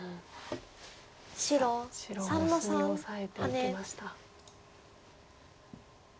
さあ白は隅をオサえていきました。